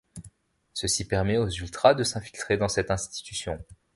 Ceci permet aux Ultras de s'infiltrer dans cette institution.